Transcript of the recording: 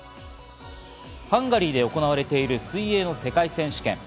ハンガリーで行われている水泳の世界選手権。